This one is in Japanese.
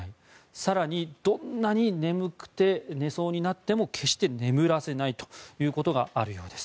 更にどんなに眠くて寝そうになっても決して眠らせないということがあるようです。